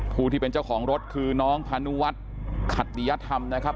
ผู้ที่เป็นเจ้าของรถคือน้องพานุวัฒน์ขัตติยธรรมนะครับ